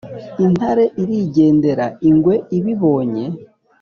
intare irigendera. ingwe ibibonye